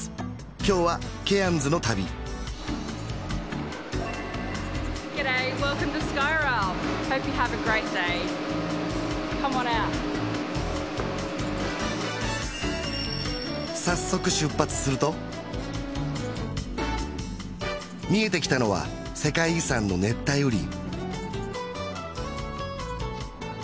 今日はケアンズの旅早速出発すると見えてきたのは世界遺産の熱帯雨林